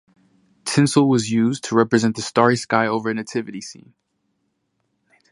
Tinsel was used to represent the starry sky over a Nativity scene.